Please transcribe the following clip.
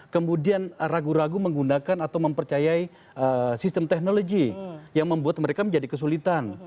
kemudian ragu ragu menggunakan atau mempercayai sistem teknologi yang membuat mereka menjadi kesulitan